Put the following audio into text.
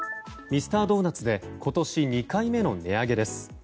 ミスタードーナツで今年２回目の値上げです。